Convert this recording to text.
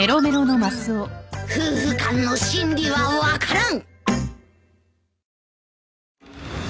夫婦間の心理は分からん！